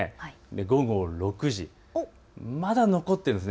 午後６時、まだ残っています。